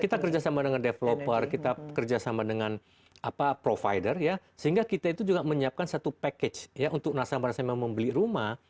kita kerjasama dengan developer kita kerjasama dengan provider ya sehingga kita itu juga menyiapkan satu package untuk nasabah nasabah membeli rumah